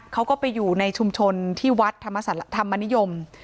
เขาก็ไปอยู่ในชุมชนที่วัดธรรมนิยม